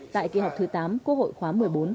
tại kỳ họp thứ tám quốc hội khóa một mươi bốn